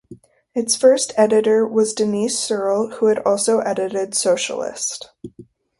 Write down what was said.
Its first editor was Denise Searle, who had also edited "Socialist".